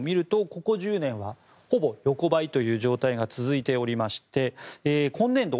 ここ１０年は、ほぼ横ばいという状態が続いておりまして今年度